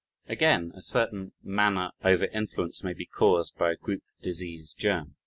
Again, a certain kind of manner over influence may be caused by a group disease germ.